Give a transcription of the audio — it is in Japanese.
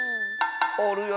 おるよ